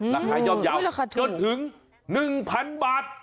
แล้วขายยอมจนถึง๑๐๐๐บาท